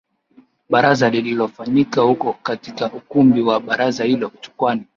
Baraza lililofanyika huko katika ukumbi wa Baraza hilo Chukwani